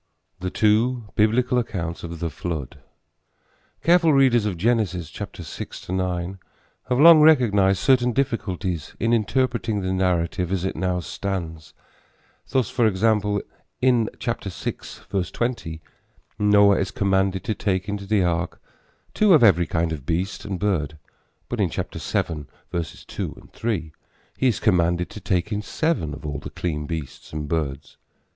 THE TWO BIBLICAL ACCOUNTS OF THE FLOOD. Careful readers of Genesis 6 9 have long recognized certain difficulties in interpreting the narrative as it now stands. Thus, for example, in 6:20 Noah is commanded to take into the ark two of every kind of beast and bird; but in 7:2, 3 he is commanded to take in seven of all the clean beasts and birds.